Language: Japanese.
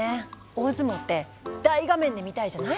大相撲って大画面で見たいじゃない？